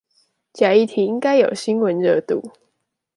假議題應該有新聞熱度